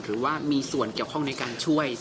หรือว่ามีส่วนเกี่ยวข้องในการช่วย